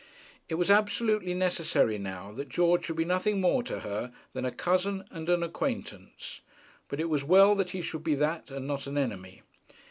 It was absolutely necessary now that George should be nothing more to her than a cousin and an acquaintance; but it was well that he should be that and not an enemy.